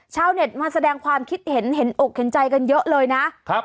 ชาวเน็ตมาแสดงความคิดเห็นเห็นอกเห็นใจกันเยอะเลยนะครับ